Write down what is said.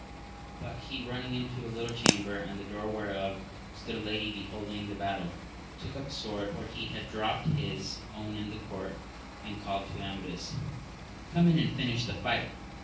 But he running into a little chamber, at the door whereof stood a lady beholding the battle, took up a sword, for he had dropt his own in the court, and called to Amadis, Come in and finish the fight